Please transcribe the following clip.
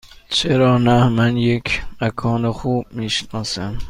چرا نه؟ من یک مکان خوب می شناسم.